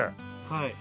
はい。